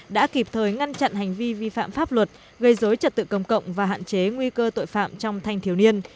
đã kịp thời ngăn chặn hành vi vi phạm pháp luật gây dối trật tự công cộng và hạn chế nguy cơ tội phạm trong thanh thiếu niên